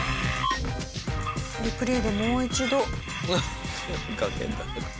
リプレーでもう一度。